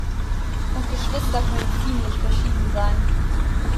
Und Geschwister können ziemlich verschieden sein.